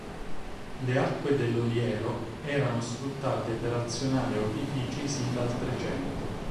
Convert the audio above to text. Le acque dell'Oliero erano sfruttate per azionare opifici sin dal Trecento.